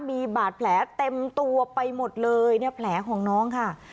มีบาดแผลเต็มตัวไปหมดเลยเนี่ยแผลของน้องค่ะ